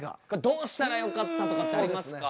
どうしたらよかったとかってありますか？